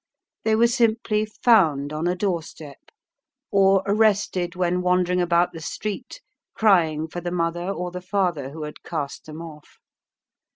They were simply "found" on a doorstep, or arrested when wandering about the street crying for the mother or the father who had cast them off.